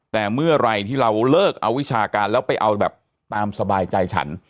แต่เมื่อไหร่ที่เราเลิกเอาวิชาการแล้วไปเอาแบบตามสบายใจฉัน